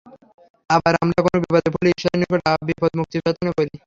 আবার আমরা কোনো বিপদে পড়লে ঈশ্বরের নিকট বিপদ মুক্তির প্রার্থনা করি।